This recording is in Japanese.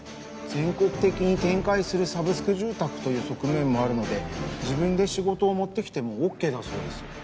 全国的に展開するサブスク住宅という側面もあるので自分で仕事を持ってきてもＯＫだそうです。